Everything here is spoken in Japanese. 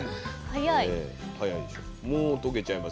早い。